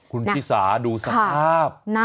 คุณชิสาดูสภาพ